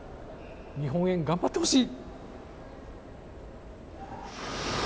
日本円、頑張ってほしい！